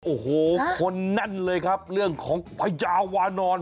โอ้โหคนแน่นเลยครับเรื่องของพญาวานอน